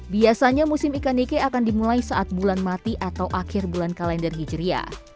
biasanya musim ikan nike akan dimulai saat bulan mati atau akhir bulan kalender hijriah